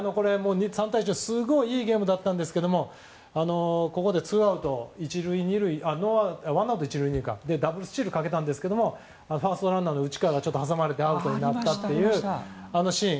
３対１のすごいいいゲームだったんですけどここでワンアウト１塁２塁でダブルスチールかけたんですけどファーストランナーの内川が挟まれてアウトになったというシーン。